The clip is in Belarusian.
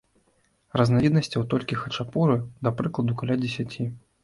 Разнавіднасцяў толькі хачапуры, да прыкладу, каля дзесяці.